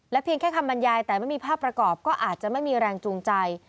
เพียงแค่คำบรรยายแต่ไม่มีภาพประกอบก็อาจจะไม่มีแรงจูงใจ